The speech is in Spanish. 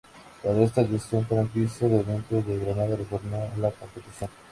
Para esta edición la franquicia de Orientales de Granada retornó a la competición.